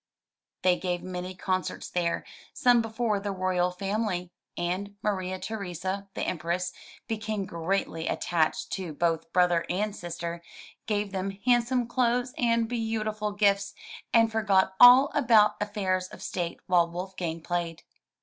They gave many concerts there, some before the royal family; and Maria Theresa, the empress, became greatly attached to both brother and sister, gave them handsome clothes and beau tiful gifts, and forgot all about affairs of state while Wolfgang played.